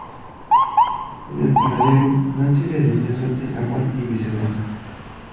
En el paradero, Nancy le desea suerte a Juan y viceversa.